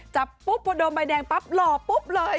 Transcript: จับปุ๊บพอดมใบแดงปั๊บหล่อปุ๊บเลย